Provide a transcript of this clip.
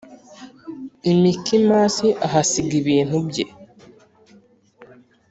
i Mikimasi ahasiga ibintu bye.